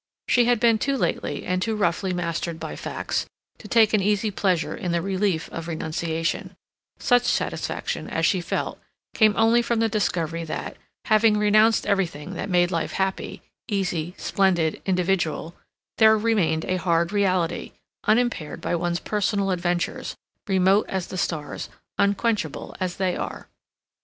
She had been too lately and too roughly mastered by facts to take an easy pleasure in the relief of renunciation; such satisfaction as she felt came only from the discovery that, having renounced everything that made life happy, easy, splendid, individual, there remained a hard reality, unimpaired by one's personal adventures, remote as the stars, unquenchable as they are.